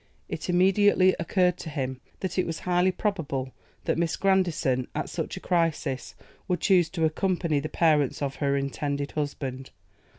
It immediately occurred to him, that it was highly probable that Miss Grandison, at such a crisis, would choose to accompany the parents of her intended husband.